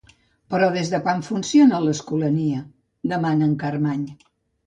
Però des de quan funciona, l'Escolania? —demana el Carmany.